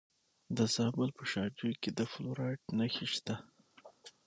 د زابل په شاجوی کې د فلورایټ نښې شته.